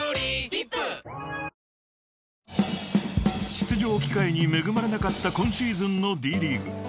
［出場機会に恵まれなかった今シーズンのＤ．ＬＥＡＧＵＥ］